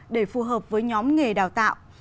để phù hợp với nhóm nghề đào tạo